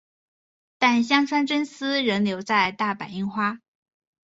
但香川真司仍留在大阪樱花。